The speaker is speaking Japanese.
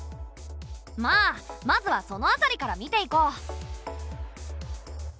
まあまずはその辺りから見ていこう！